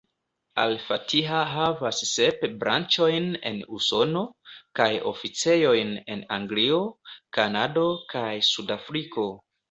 Al-Fatiha havas sep branĉojn en Usono, kaj oficejojn en Anglio, Kanado, kaj Sud-Afriko.